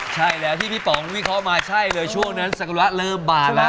ใช่แล้วที่พี่ป๋องวิเคราะห์มาใช่เลยช่วงนั้นสกุระเริ่มบานแล้ว